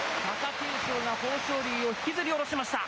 貴景勝が豊昇龍を引きずり降ろしました。